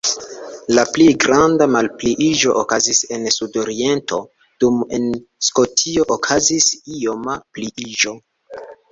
La pli granda malpliiĝo okazis en sudoriento, dum en Skotio okazis ioma pliiĝo.